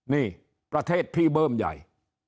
นี่ประเทศพี่เบิ้มใหญ่